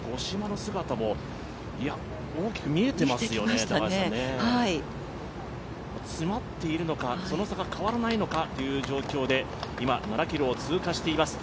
詰まっているのか、詰まっているのか、その差が変わらないのかという状況で今、７ｋｍを通過しています。